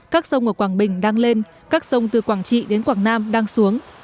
các sông ở quảng bình đang lên các sông từ quảng trị đến quảng nam đang xuống